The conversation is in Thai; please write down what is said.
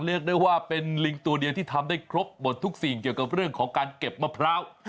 เรียกได้ว่าเป็นลิงตัวเดียวที่ทำได้ครบหมดทุกสิ่งเกี่ยวกับเรื่องของการเก็บมะพร้าว